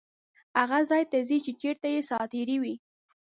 هغه ځای ته ځي چیرته چې ساعتېرۍ وي.